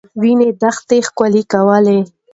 وینې دښته ښکلې کولې.